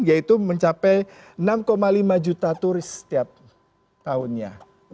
yaitu mencapai enam lima juta turis setiap tahunnya